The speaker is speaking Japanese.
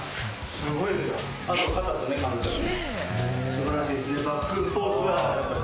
すごいですね。